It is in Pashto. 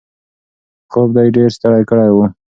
خوب دی ډېر ستړی کړی و.